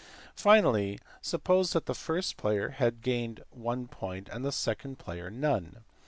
Finally, suppose that the first player has gained one point and the second player none.